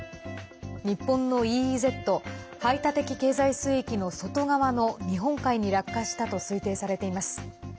日本のＥＥＺ＝排他的経済水域の外側の日本海に落下したと推定されています。